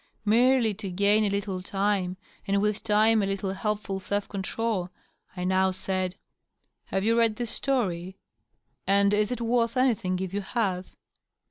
Merely to gain a little time, and with time a little helpful self control, I now said, —" Have you read this story ? And is it worth anything, if you have